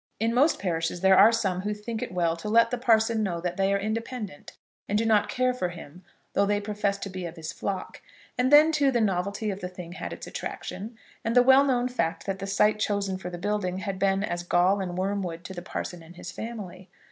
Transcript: In most parishes there are some who think it well to let the parson know that they are independent and do not care for him, though they profess to be of his flock; and then, too, the novelty of the thing had its attraction, and the well known fact that the site chosen for the building had been as gall and wormwood to the parson and his family.